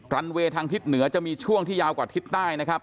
รันเวย์ทางทิศเหนือจะมีช่วงที่ยาวกว่าทิศใต้นะครับ